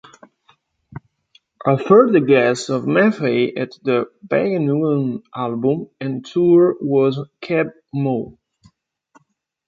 A further guest of Maffay at the Begegnungen album and tour was Keb' Mo'.